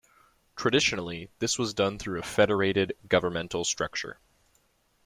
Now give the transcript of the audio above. Traditionally, this was done through a federated governmental structure.